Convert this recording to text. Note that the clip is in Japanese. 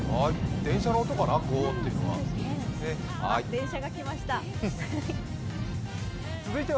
電車の音かな、ゴーッていうのは。